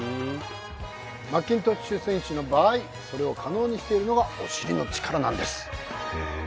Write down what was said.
マッキントッシュ選手の場合それを可能にしているのがお尻の力なんです